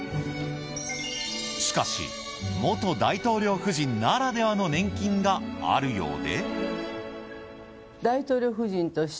しかし、元大統領夫人ならではの年金があるようで。